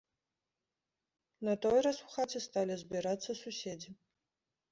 На той раз у хаце сталі збірацца суседзі.